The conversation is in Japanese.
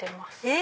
え！